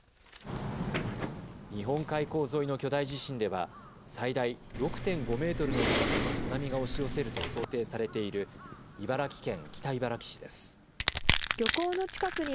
日本海溝沿いの巨大地震では最大６．５メートルの高さの津波が押し寄せると想定されている茨城県北茨城市です。